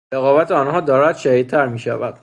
رقابت آنها دارد شدیدتر میشود.